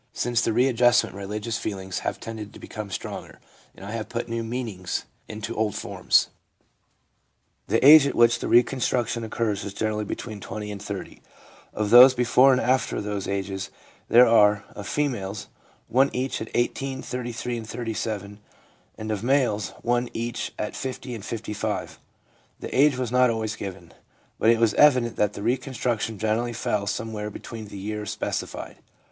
Since the readjustment my religious feelings have tended to become stronger, and I have put new meanings into old forms/ The age at which the reconstruction occurs is generally between 20 and 30 ; of those before and after those ages there are — of females, one each at 18, 33 and 37, and of males, one each at 50 and 55. The age was not always given ; but it was evident that the reconstruction gener ally fell somewhere between the years specified.